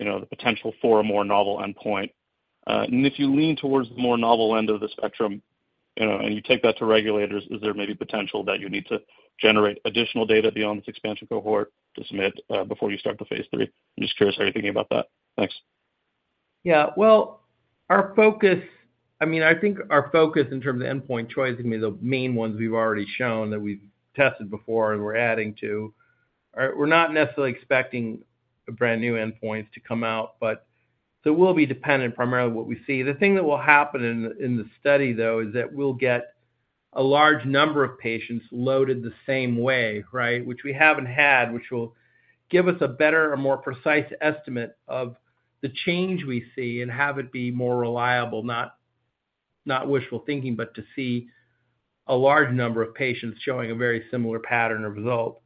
know, the potential for a more novel endpoint. And if you lean towards the more novel end of the spectrum, you know, and you take that to regulators, is there maybe potential that you need to generate additional data beyond this expansion cohort to submit before you start the phase III? I'm just curious, how are you thinking about that. Thanks. Yeah, well, our focus, I mean, I think our focus in terms of endpoint choice, I mean, the main ones we've already shown that we've tested before and we're adding to, are, we're not necessarily expecting brand-new endpoints to come out, but so we'll be dependent primarily on what we see. The thing that will happen in the study, though, is that we'll get a large number of patients loaded the same way, right? Which we haven't had, which will give us a better or more precise estimate of the change we see and have it be more reliable, not, not wishful thinking, but to see a large number of patients showing a very similar pattern or result.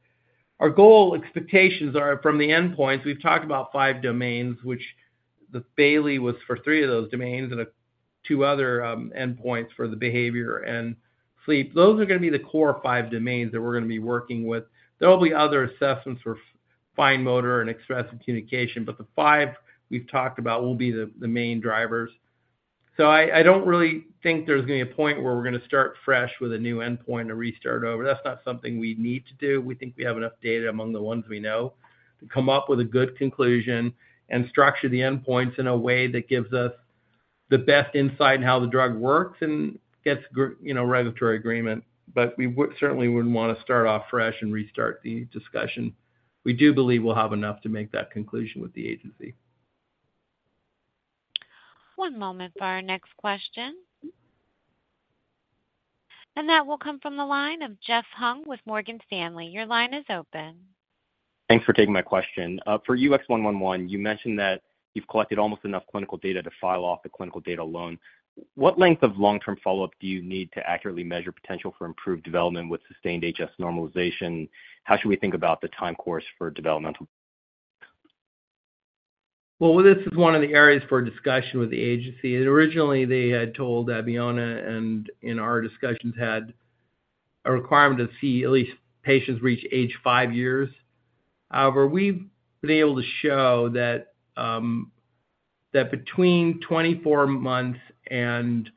Our goal expectations are from the endpoints. We've talked about five domains, which the Bayley was for three of those domains and two other endpoints for the behavior and sleep. Those are gonna be the core five domains that we're gonna be working with. There will be other assessments for fine motor and expressive communication, but the five we've talked about will be the main drivers. So I don't really think there's gonna be a point where we're gonna start fresh with a new endpoint and restart over. That's not something we need to do. We think we have enough data among the ones we know to come up with a good conclusion and structure the endpoints in a way that gives us the best insight in how the drug works and gets you know, regulatory agreement. But we would certainly wouldn't want to start off fresh and restart the discussion. We do believe we'll have enough to make that conclusion with the agency. One moment for our next question. That will come from the line of Jeff Hung with Morgan Stanley. Your line is open. Thanks for taking my question. For UX111, you mentioned that you've collected almost enough clinical data to file off the clinical data alone. What length of long-term follow-up do you need to accurately measure potential for improved development with sustained HS normalization? How should we think about the time course for developmental? Well, this is one of the areas for discussion with the agency. Originally, they had told Abeona, and in our discussions, had a requirement to see at least patients reach age five years. However, we've been able to show that that between 24 months and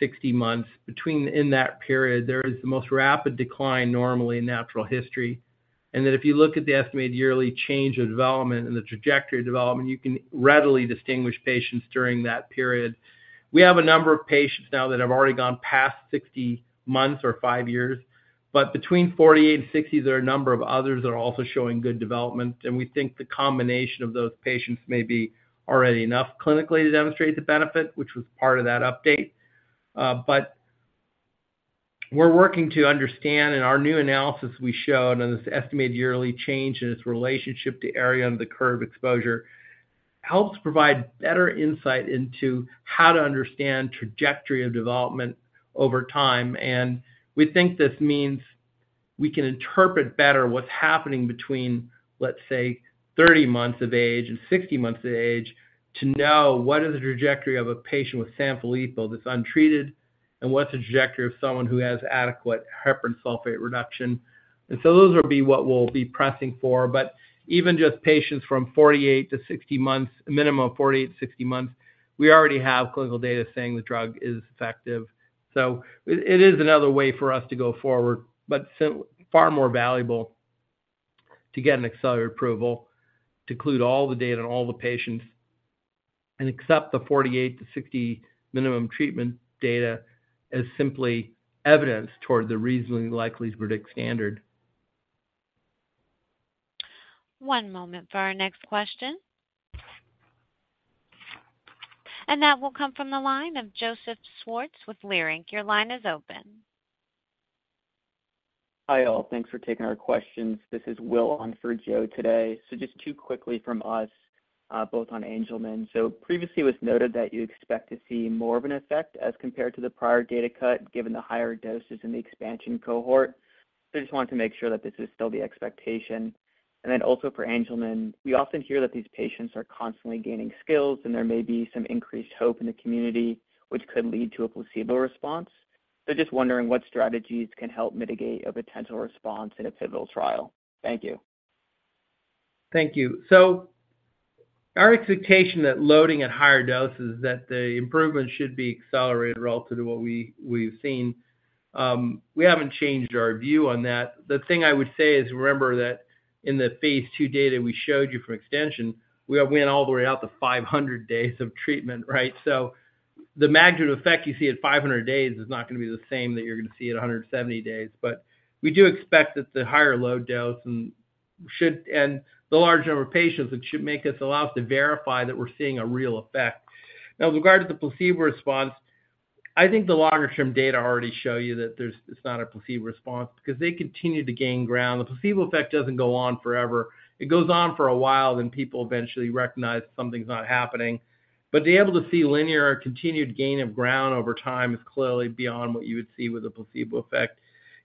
60 months, in that period, there is the most rapid decline normally in natural history. That if you look at the estimated yearly change in development and the trajectory of development, you can readily distinguish patients during that period. We have a number of patients now that have already gone past 60 months or five years, but between 48 and 60, there are a number of others that are also showing good development. We think the combination of those patients may be already enough clinically to demonstrate the benefit, which was part of that update. But we're working to understand, in our new analysis, we showed, and this estimated yearly change and its relationship to area under the curve exposure, helps provide better insight into how to understand trajectory of development over time. And we think this means we can interpret better what's happening between, let's say, 30 months of age and 60 months of age, to know what is the trajectory of a patient with Sanfilippo that's untreated, and what's the trajectory of someone who has adequate heparan sulfate reduction. And so those will be what we'll be pressing for. But even just patients from 48-60 months, a minimum of 48-60 months, we already have clinical data saying the drug is effective. So it is another way for us to go forward, but still far more valuable to get an accelerated approval to include all the data and all the patients, and accept the 48-60 minimum treatment data as simply evidence toward the reasonably likely to predict standard. One moment for our next question. That will come from the line of Joseph Schwartz with Leerink. Your line is open. Hi, all. Thanks for taking our questions. This is Will on for Joe today. So just two quickly from us, both on Angelman. So previously, it was noted that you expect to see more of an effect as compared to the prior data cut, given the higher doses in the expansion cohort. So I just wanted to make sure that this is still the expectation. And then also for Angelman, we often hear that these patients are constantly gaining skills, and there may be some increased hope in the community, which could lead to a placebo response. So just wondering what strategies can help mitigate a potential response in a pivotal trial. Thank you. Thank you. So our expectation that loading at higher doses, that the improvement should be accelerated relative to what we've seen, we haven't changed our view on that. The thing I would say is, remember that in the phase II data we showed you from Extension, we went all the way out to 500 days of treatment, right? So the magnitude effect you see at 500 days is not going to be the same that you're going to see at 170 days. But we do expect that the higher load dose and the large number of patients, it should make us allow us to verify that we're seeing a real effect. Now, with regard to the placebo response, I think the longer-term data already show you that there's, it's not a placebo response because they continue to gain ground. The placebo effect doesn't go on forever. It goes on for a while, then people eventually recognize something's not happening. But to be able to see linear or continued gain of ground over time is clearly beyond what you would see with a placebo effect.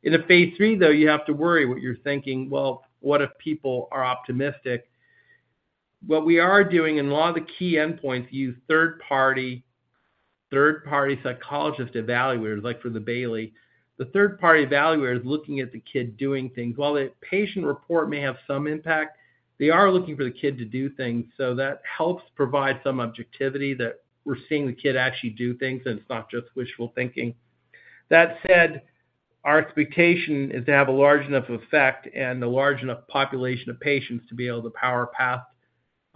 In a phase III, though, you have to worry what you're thinking, "Well, what if people are optimistic?" What we are doing in a lot of the key endpoints, use third-party, third-party psychologist evaluators, like for the Bayley. The third-party evaluator is looking at the kid doing things. While a patient report may have some impact, they are looking for the kid to do things, so that helps provide some objectivity that we're seeing the kid actually do things, and it's not just wishful thinking. That said, our expectation is to have a large enough effect and a large enough population of patients to be able to power past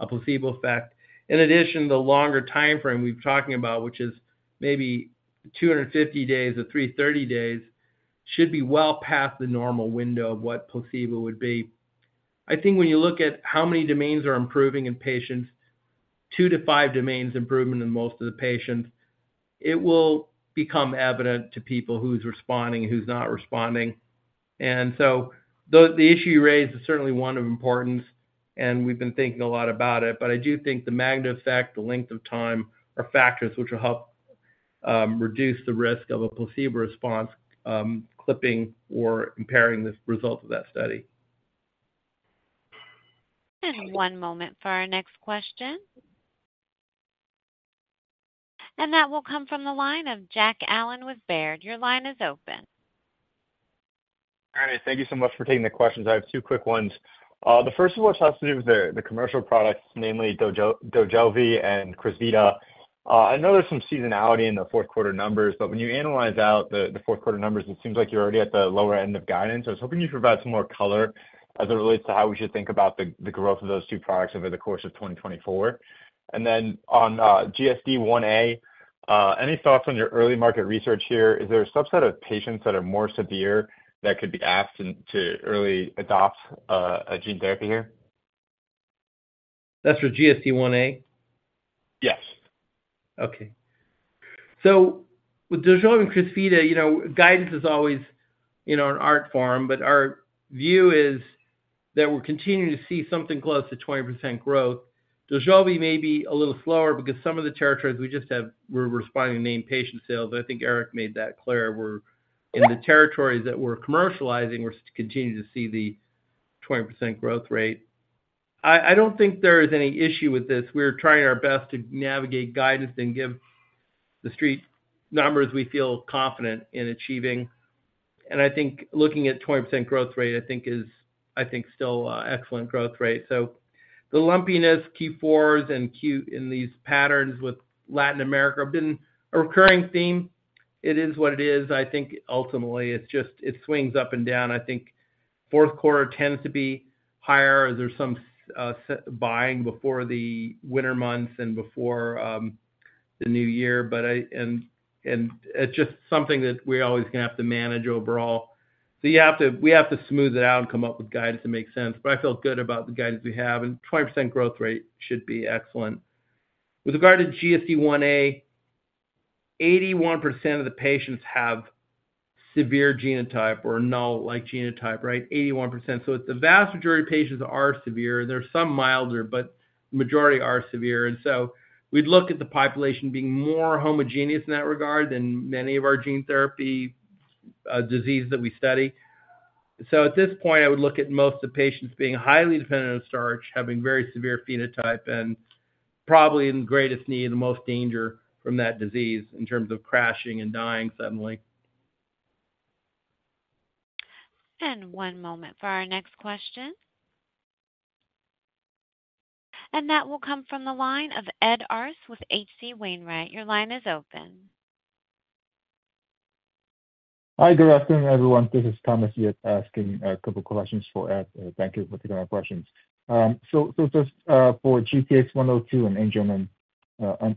a placebo effect. In addition, the longer timeframe we've been talking about, which is maybe 250 days or 330 days, should be well past the normal window of what placebo would be. I think when you look at how many domains are improving in patients, 2-5 domains improvement in most of the patients, it will become evident to people who's responding, who's not responding. And so the issue you raised is certainly one of importance, and we've been thinking a lot about it. But I do think the magnitude effect, the length of time, are factors which will help reduce the risk of a placebo response, clipping or comparing the results of that study. One moment for our next question. That will come from the line of Jack Allen with Baird. Your line is open. All right. Thank you so much for taking the questions. I have two quick ones. The first of which has to do with the commercial products, namely Dojolvi and Crysvita. I know there's some seasonality in the Q4 numbers, but when you analyze out the Q4 numbers, it seems like you're already at the lower end of guidance. I was hoping you'd provide some more color as it relates to how we should think about the growth of those two products over the course of 2024. And then on GSD1a, any thoughts on your early market research here? Is there a subset of patients that are more severe that could be asked to early adopt a gene therapy here? That's for GSD1a? Yes. Okay. So with Dojolvi and Crysvita, you know, guidance is always, you know, an art form, but our view is that we're continuing to see something close to 20% growth. Dojolvi may be a little slower because some of the territories we just have, we're responding to named patient sales. I think Eric made that clear. We're in the territories that we're commercializing, we're continuing to see the 20% growth rate. I don't think there is any issue with this. We're trying our best to navigate guidance and give the street numbers we feel confident in achieving. And I think looking at 20% growth rate, I think is still excellent growth rate. So the lumpiness, Q4s and Q-- in these patterns with Latin America have been a recurring theme. It is what it is. I think ultimately, it's just, it swings up and down. I think Q4 tends to be higher. There's some buying before the winter months and before the new year. But it's just something that we're always gonna have to manage overall. So you have to, we have to smooth it out and come up with guidance that makes sense. But I feel good about the guidance we have, and 20% growth rate should be excellent. With regard to GSD1a, 81% of the patients have severe genotype or null-like genotype, right? 81%. So it's the vast majority of patients are severe. There are some milder, but majority are severe. And so we'd look at the population being more homogeneous in that regard than many of our gene therapy disease that we study. At this point, I would look at most of the patients being highly dependent on starch, having very severe phenotype and probably in the greatest need and the most danger from that disease in terms of crashing and dying suddenly. One moment for our next question. That will come from the line of Ed Arce with H.C. Wainwright. Your line is open. Hi, good afternoon, everyone. This is Thomas Yip asking a couple questions for Ed. Thank you for taking my questions. So just for GTX-102 and Angelman,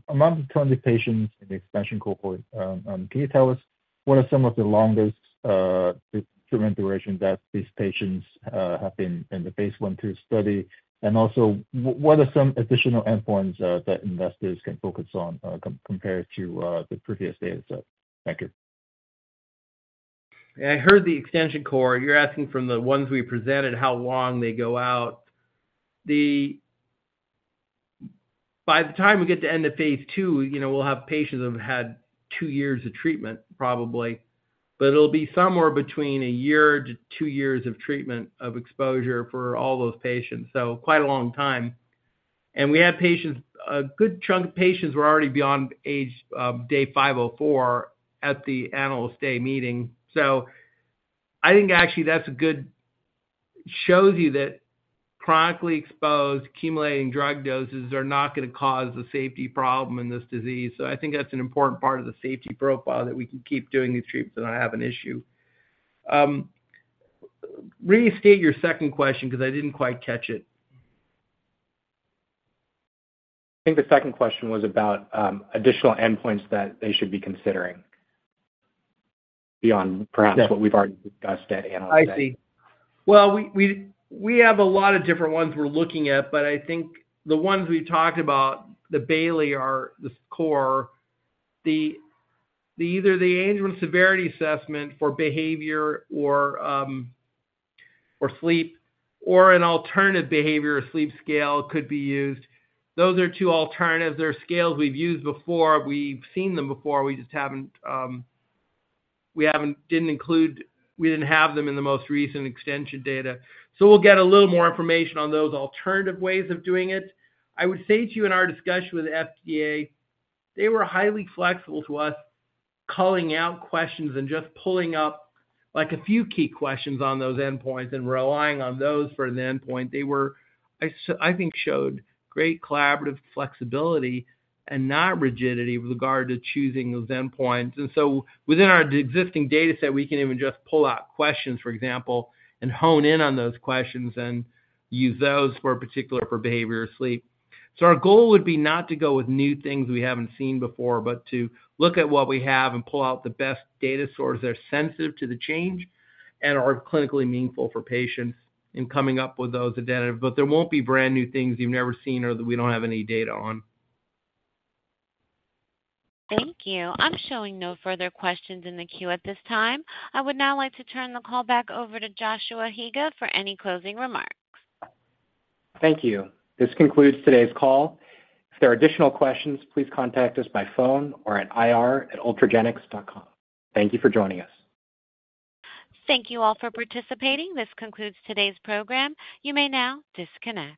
among the 20 patients in the expansion cohort, can you tell us what are some of the longest treatment duration that these patients have been in the Phase I/II study? And also, what are some additional endpoints that investors can focus on compared to the previous data set? Thank you. I heard the extension cohort. You're asking from the ones we presented, how long they go out. By the time we get to end of phase II, you know, we'll have patients that have had two years of treatment, probably, but it'll be somewhere between a year to two years of treatment of exposure for all those patients. So quite a long time. And we have patients, a good chunk of patients were already beyond age, day 504 at the Analyst Day meeting. So I think actually that's a good, shows you that chronically exposed, accumulating drug doses are not gonna cause a safety problem in this disease. So I think that's an important part of the safety profile that we can keep doing these treatments and not have an issue. Restate your second question, because I didn't quite catch it. I think the second question was about, additional endpoints that they should be considering. Beyond perhaps what we've already discussed at Analyst Day. I see. Well, we have a lot of different ones we're looking at, but I think the ones we talked about, the Bayley are the score, the either the Angelman severity assessment for behavior or, or sleep, or an alternative behavior or sleep scale could be used. Those are two alternatives. They're scales we've used before. We've seen them before. We just haven't, we haven't, didn't include—we didn't have them in the most recent extension data. So we'll get a little more information on those alternative ways of doing it. I would say to you, in our discussion with the FDA, they were highly flexible to us, calling out questions and just pulling up, like, a few key questions on those endpoints and relying on those for an endpoint. They were, I think, showed great collaborative flexibility and not rigidity with regard to choosing those endpoints. And so within our existing data set, we can even just pull out questions, for example, and hone in on those questions and use those for particular for behavior or sleep. So our goal would be not to go with new things we haven't seen before, but to look at what we have and pull out the best data sources that are sensitive to the change and are clinically meaningful for patients in coming up with those identities. But there won't be brand new things you've never seen or that we don't have any data on. Thank you. I'm showing no further questions in the queue at this time. I would now like to turn the call back over to Joshua Higa for any closing remarks. Thank you. This concludes today's call. If there are additional questions, please contact us by phone or at ir@ultragenyx.com. Thank you for joining us. Thank you all for participating. This concludes today's program. You may now disconnect.